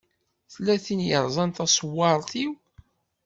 Tella tin i yeṛẓan taṣewwaṛt-iw.